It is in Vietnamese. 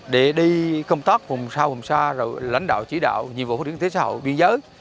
để đi công tác vùng sâu vùng xa rồi lãnh đạo chỉ đạo nhiệm vụ phát triển kinh tế xã hội biên giới